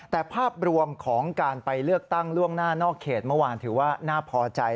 แต่ภาพรวมของการไปเลือกตั้งล่วงหน้านอกเขตเมื่อวานถือว่าน่าพอใจ